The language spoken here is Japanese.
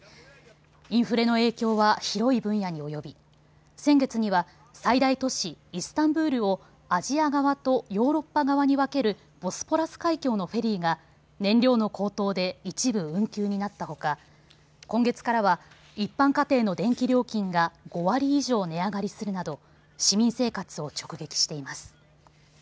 インフレの影響は広い分野に及び先月には最大都市イスタンブールをアジア側とヨーロッパ側に分けるボスポラス海峡のフェリーが燃料の高騰で一部、運休になったほか今月からは一般家庭の電気料金が５割以上値上がりするなど市民生活を直撃しています。